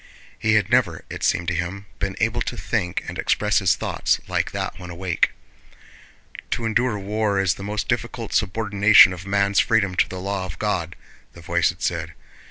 He had never, it seemed to him, been able to think and express his thoughts like that when awake. "To endure war is the most difficult subordination of man's freedom to the law of God," the voice had said.